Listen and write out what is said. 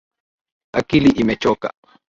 Akili imechoka